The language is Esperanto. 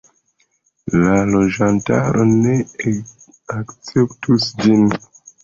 La loĝantaro ne akceptus ĝin.